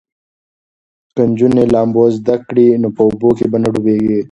که نجونې لامبو زده کړي نو په اوبو کې به نه ډوبیږي.